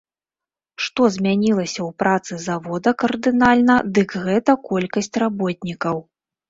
Што змянілася ў працы завода кардынальна, дык гэта колькасць работнікаў.